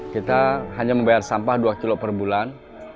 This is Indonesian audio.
kita hanya membayar sampah dua kilo per bulan